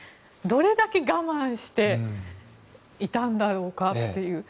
どれだけ我慢していたんだろうかという。